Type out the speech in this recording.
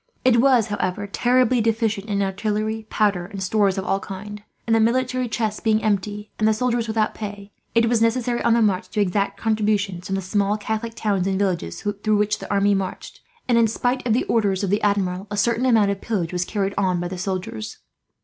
It was, however, terribly deficient in artillery, powder, and stores of all kinds and, the military chest being empty and the soldiers without pay, it was necessary, on the march, to exact contributions from the small Catholic towns and villages through which the army marched and, in spite of the orders of the Admiral, a certain amount of pillage was carried on by the soldiers.